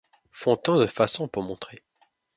Font tant de façons pour montrer